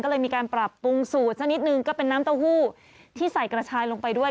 ก็เลยมีการปรับปรุงสูตรสักนิดนึงก็เป็นน้ำเต้าหู้ที่ใส่กระชายลงไปด้วย